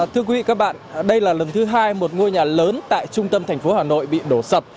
thưa quý vị các bạn đây là lần thứ hai một ngôi nhà lớn tại trung tâm thành phố hà nội bị đổ sập